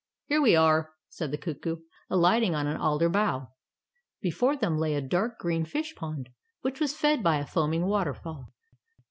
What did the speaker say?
"Here we are," said the cuckoo, alighting on an alder bough. Before them lay a dark green fish pond, which was fed by a foaming waterfall.